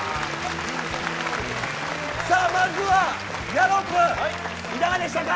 さあはまずはギャロップいかがでしたか。